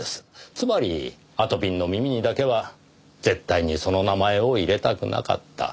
つまりあとぴんの耳にだけは絶対にその名前を入れたくなかった。